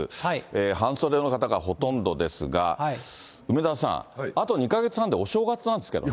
半袖の方がほとんどですが、梅沢さん、あと２か月半でお正月なんですけどね。